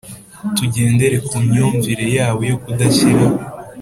tugendera ku myumvire yabo yo kudashyira